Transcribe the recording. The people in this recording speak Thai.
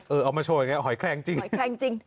เออเอามาโชว์ไงหอยแคลงจริง